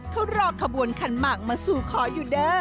เขารอขบวนขันหมากมาสู่ขออยู่เด้อ